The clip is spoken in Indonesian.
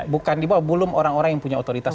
bukan di bawah belum orang orang yang punya otoritas